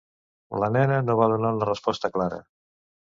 La nena no va donar una resposta clara.